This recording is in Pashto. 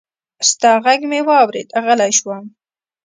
ستا غږ مې واورېد، غلی شوم